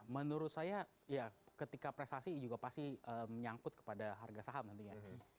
menurut saya ya ketika prestasi juga pasti menyangkut kepada harga saham nantinya